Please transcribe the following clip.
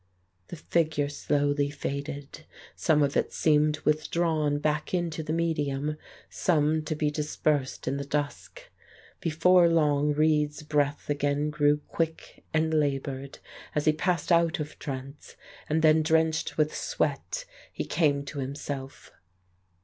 The figure slowly faded; some of it seemed withdrawn back into the medium, some to be dispersed in the dusk. Before long Reid's breath again grew quick and laboured, as he passed out of trance, and then drenched with sweat he came to himself.